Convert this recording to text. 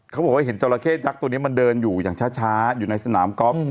เขาบอกว่าเห็นจราเข้ยักษ์ตัวนี้มันเดินอยู่อย่างช้าอยู่ในสนามกอล์ฟ